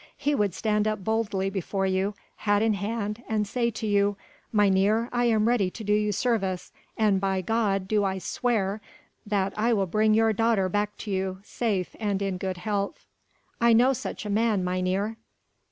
He would stand up boldly before you, hat in hand and say to you: 'Mynheer, I am ready to do you service, and by God do I swear that I will bring your daughter back to you, safe and in good health!' I know such a man, mynheer!"